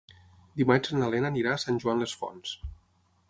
Dimarts na Lena anirà a Sant Joan les Fonts.